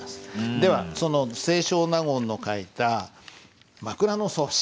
ではその清少納言の書いた「枕草子」。